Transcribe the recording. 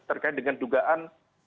terkait dengan dugaan